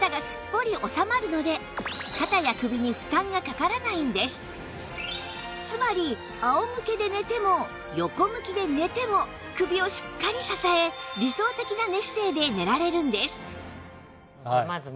さらにそうつまり仰向けで寝ても横向きで寝ても首をしっかり支え理想的な寝姿勢で寝られるんです